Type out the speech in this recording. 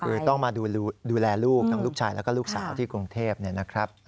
คือต้องมาดูแลลูกทั้งลูกชายแล้วก็ลูกสาวที่กรุงเทพนะครับ